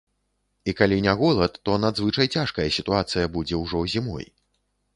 І калі не голад, то надзвычай цяжкая сітуацыя будзе ўжо зімой.